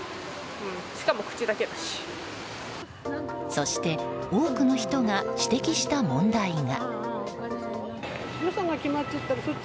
そして多くの人が指摘した問題が。